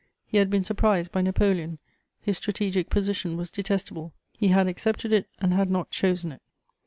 He had been surprised by Napoleon, his strategic position was detestable; he had accepted it and had not chosen it.